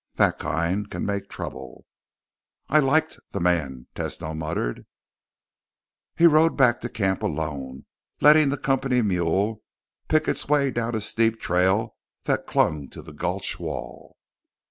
That kind can make trouble." "I liked the man," Tesno muttered. He rode back to camp alone, letting the company mule pick its way down a steep trail that clung to the gulch wall.